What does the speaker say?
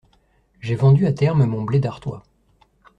J'ai vendu à terme mon blé d'Artois.